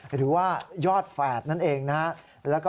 หรือว่ายอดแฝดนั่นเองนะครับ